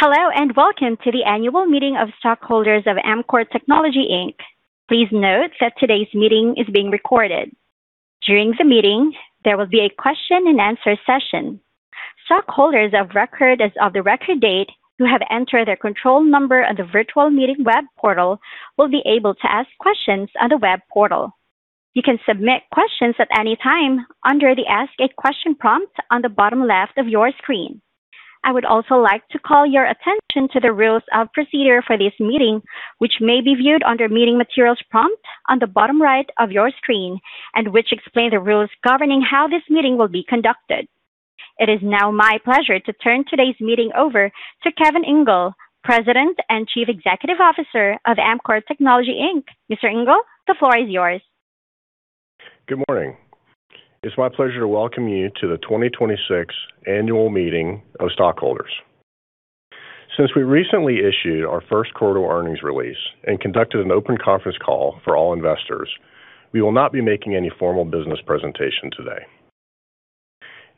Hello and welcome to the annual meeting of stockholders of Amkor Technology, Inc. Please note that today's meeting is being recorded. During the meeting, there will be a question-and-answer session. Stockholders of record as of the record date who have entered their control number on the virtual meeting web portal will be able to ask questions on the web portal. You can submit questions at any time under the Ask a Question prompt on the bottom left of your screen. I would also like to call your attention to the rules of procedure for this meeting, which may be viewed under Meeting Materials prompt on the bottom right of your screen, which explain the rules governing how this meeting will be conducted. It is now my pleasure to turn today's meeting over to Kevin Engel, President and Chief Executive Officer of Amkor Technology, Inc. Mr. Engel, the floor is yours. Good morning. It's my pleasure to welcome you to the 2026 annual meeting of stockholders. Since we recently issued our first quarter earnings release and conducted an open conference call for all investors, we will not be making any formal business presentation today.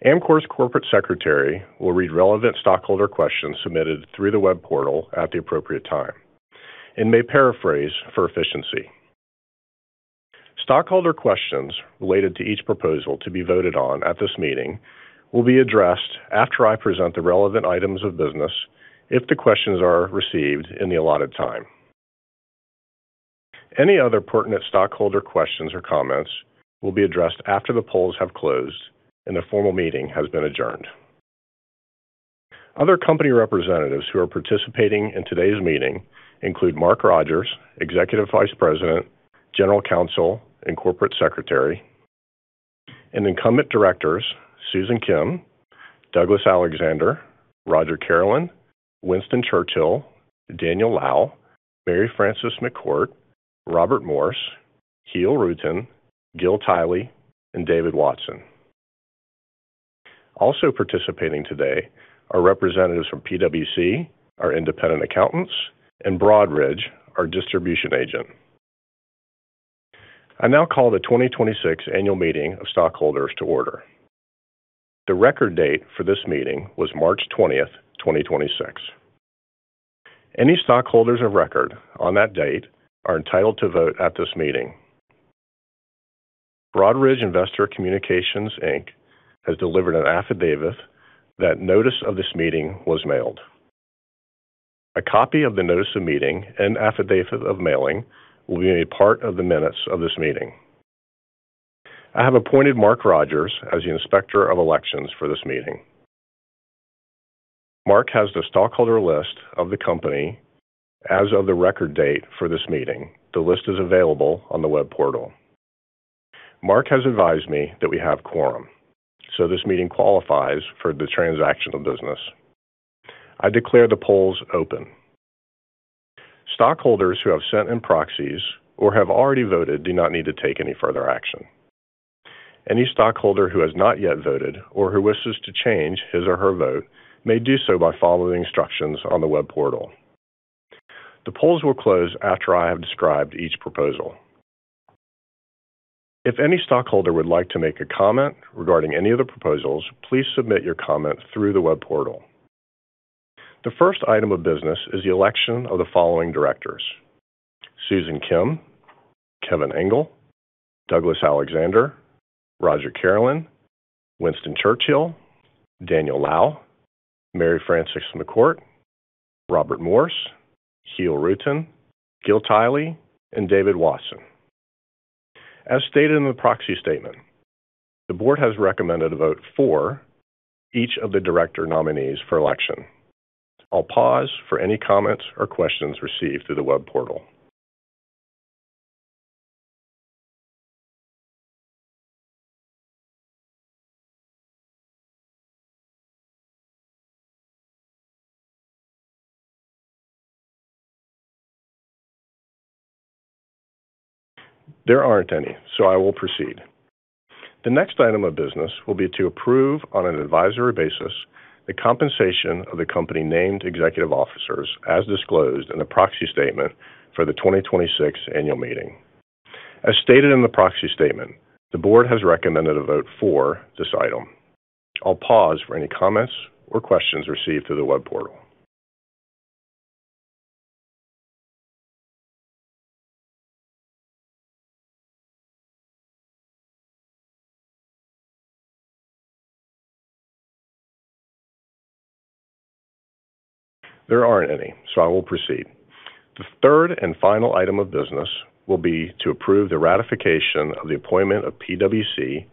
Amkor's corporate secretary will read relevant stockholder questions submitted through the web portal at the appropriate time and may paraphrase for efficiency. Stockholder questions related to each proposal to be voted on at this meeting will be addressed after I present the relevant items of business if the questions are received in the allotted time. Any other pertinent stockholder questions or comments will be addressed after the polls have closed and the formal meeting has been adjourned. Other company representatives who are participating in today's meeting include Mark Rogers, Executive Vice President, General Counsel, and Corporate Secretary, and incumbent directors Susan Kim, Douglas Alexander, Roger Carolin, Winston Churchill, Daniel Liao, Mary Frances McCourt, Robert Morse, Giel Rutten, Gil Tily, and David Watson. Also participating today are representatives from PwC, our independent accountants, and Broadridge, our distribution agent. I now call the 2026 annual meeting of stockholders to order. The record date for this meeting was March 20th, 2026. Any stockholders of record on that date are entitled to vote at this meeting. Broadridge Investor Communications, Inc. has delivered an affidavit that notice of this meeting was mailed. A copy of the notice of meeting and affidavit of mailing will be a part of the minutes of this meeting. I have appointed Mark Rogers as the Inspector of Elections for this meeting. Mark has the stockholder list of the company as of the record date for this meeting. The list is available on the web portal. Mark has advised me that we have quorum, so this meeting qualifies for the transaction of business. I declare the polls open. Stockholders who have sent in proxies or have already voted do not need to take any further action. Any stockholder who has not yet voted or who wishes to change his or her vote may do so by following the instructions on the web portal. The polls will close after I have described each proposal. If any stockholder would like to make a comment regarding any of the proposals, please submit your comment through the web portal. The first item of business is the election of the following directors: Susan Kim, Kevin Engel, Douglas Alexander, Roger Carolin, Winston Churchill, Daniel Liao, Mary Frances McCourt, Robert Morse, Giel Rutten, Gil Tily, and David Watson. As stated in the proxy statement, the board has recommended a vote for each of the director nominees for election. I'll pause for any comments or questions received through the web portal. There aren't any. I will proceed. The next item of business will be to approve on an advisory basis the compensation of the company named executive officers as disclosed in the proxy statement for the 2026 annual meeting. As stated in the proxy statement, the board has recommended a vote for this item. I'll pause for any comments or questions received through the web portal. There aren't any. I will proceed. The third and final item of business will be to approve the ratification of the appointment of PwC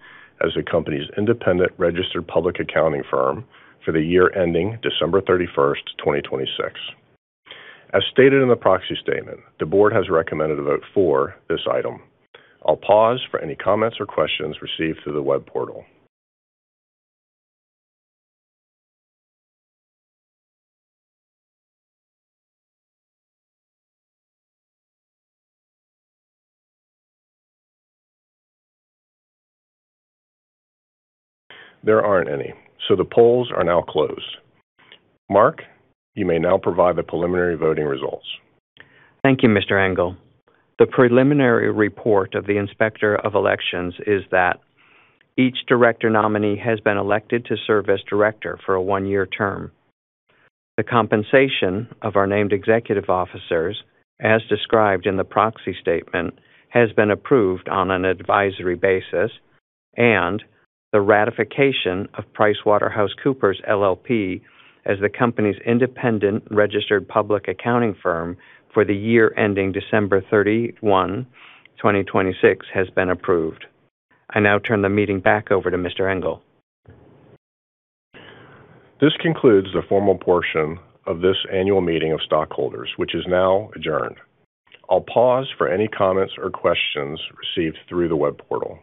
as the company's independent registered public accounting firm for the year ending December 31st, 2026. As stated in the proxy statement, the board has recommended a vote for this item. I'll pause for any comments or questions received through the web portal. There aren't any, so the polls are now closed. Mark, you may now provide the preliminary voting results. Thank you, Mr. Engel. The preliminary report of the Inspector of Election is that each director nominee has been elected to serve as director for a one-year term. The compensation of our named executive officers, as described in the proxy statement, has been approved on an advisory basis, and the ratification of PricewaterhouseCoopers LLP, as the company's independent registered public accounting firm for the year ending December 31, 2026, has been approved. I now turn the meeting back over to Mr. Engel. This concludes the formal portion of this annual meeting of stockholders, which is now adjourned. I'll pause for any comments or questions received through the web portal.